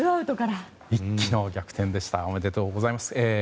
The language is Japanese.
一気の逆転でしたおめでとうございます。